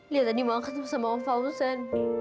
lihat tadi mau angkat sama om fauzan